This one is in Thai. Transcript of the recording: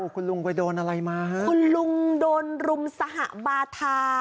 คุณลุงไปโดนอะไรมาฮะคุณลุงโดนรุมสหบาทา